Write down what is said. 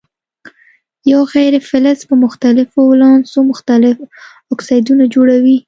یو غیر فلز په مختلفو ولانسو مختلف اکسایدونه جوړوي.